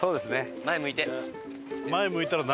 前向いて。